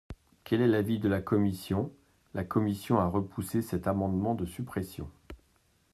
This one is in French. Quel est l’avis de la commission ? La commission a repoussé cet amendement de suppression.